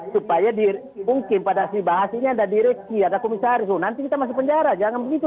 supaya mungkin pada bahas ini ada direksi ada komisaris nanti kita masuk penjara jangan begitu